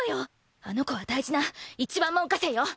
あの子は大事な一番門下生よ。